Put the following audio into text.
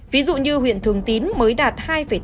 ví dụ như huyện thường tín mới đạt